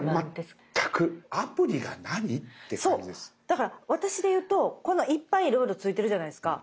だから私で言うとこのいっぱいいろいろ付いてるじゃないですか。